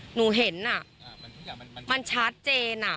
หนูเห็นอ่ะมันชัดเจนอ่ะ